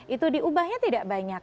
itu diubahnya tidak banyak